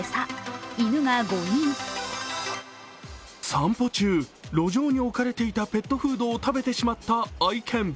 散歩中、路上に置かれていたペットフードを食べてしまった愛犬。